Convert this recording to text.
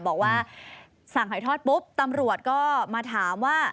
บอกว่าสั่งหอยทอดปุ๊บตำรวจก็มาถามว่า